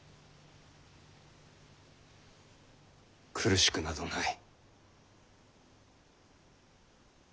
苦しくなどない。